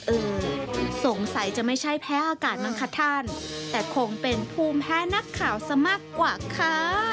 เออสงสัยจะไม่ใช่แพ้อากาศมั้งคะท่านแต่คงเป็นภูมิแพ้นักข่าวซะมากกว่าค่ะ